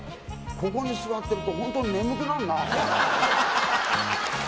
ここに座ってるとホントに眠くなるな。